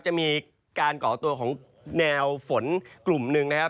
จะมีการเกาะตัวของแนวฝนกลุ่มนึง